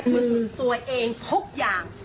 มือตัวเองทุกอย่าง